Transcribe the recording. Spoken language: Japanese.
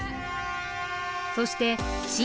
そして新